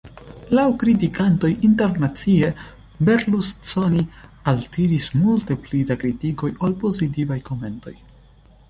Laŭ kritikantoj, internacie, Berlusconi altiris multe pli da kritikoj ol pozitivaj komentoj.